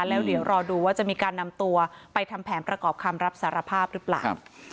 แล้วเดี๋ยวรอดูว่าจะมีการนำตัวไปทำแผนประกอบคำรับสารภาพหรือเปล่า